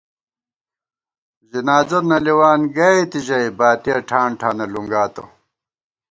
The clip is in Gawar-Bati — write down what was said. ځِنازہ نہ لېوان گئیت ژَئی باتِیَہ ٹھان ٹھانہ لُنگاتہ